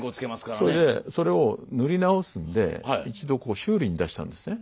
それでそれを塗り直すので一度こう修理に出したんですね。